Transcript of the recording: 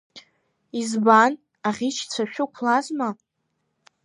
Избан, аӷьычцәа шәықәлазма?